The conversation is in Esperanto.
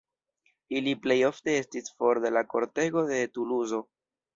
Ili plej ofte estis for de la kortego de Tuluzo.